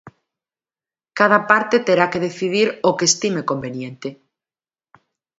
Cada parte terá que decidir o que estime conveniente.